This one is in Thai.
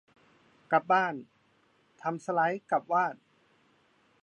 กลับบ้าน ทำสไลด์กับวาด